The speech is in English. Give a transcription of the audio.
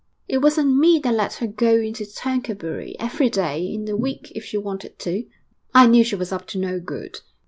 It wasn't me that let her go into Tercanbury every day in the week if she wanted to. I knew she was up to no good.